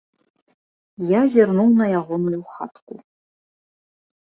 Я зірнуў на ягоную хатку.